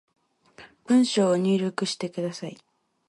文章を入力してください